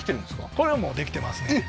これはもうできてますねえっ